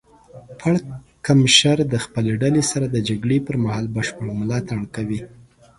پړکمشر د خپلې ډلې سره د جګړې پر مهال بشپړ ملاتړ کوي.